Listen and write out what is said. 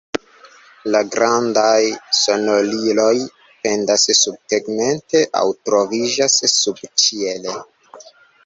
La grandaj sonoriloj pendas subtegmente aŭ troviĝas subĉiele.